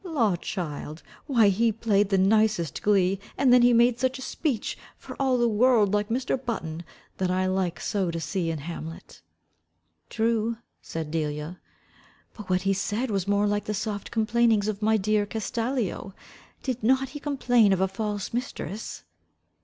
"Law, child, why he played the nicest glee and then he made such a speech, for all the world like Mr. Button, that I like so to see in Hamlet." "True," said Delia, "but what he said was more like the soft complainings of my dear Castalio. Did not he complain of a false mistress?"